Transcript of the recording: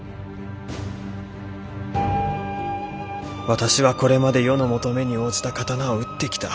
私はこれまで世の求めに応じた刀を打ってきた。